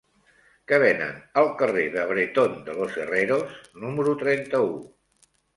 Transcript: Què venen al carrer de Bretón de los Herreros número trenta-u?